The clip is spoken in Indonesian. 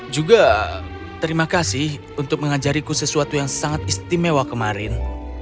juga terima kasih untuk mengajariku sesuatu yang sangat istimewa kemarin